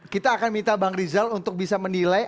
kita akan minta bang rizal untuk bisa menilai